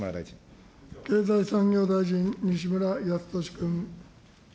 経済産業大臣、西村康稔君。